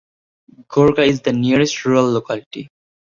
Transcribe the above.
Gorka is the nearest rural locality.